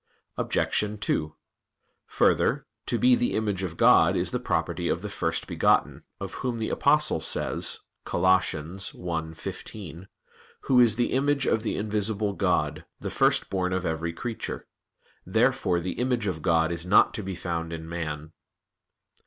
Obj. 2: Further, to be the image of God is the property of the First Begotten, of Whom the Apostle says (Col. 1:15): "Who is the image of the invisible God, the First Born of every creature." Therefore the image of God is not to be found in man.